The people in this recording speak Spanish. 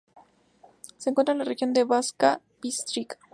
Se encuentra en la región de Banská Bystrica.